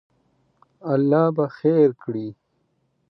الله به خیر کړی